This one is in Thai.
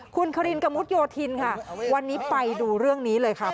คุณคารินกระมุดโยธินค่ะวันนี้ไปดูเรื่องนี้เลยค่ะ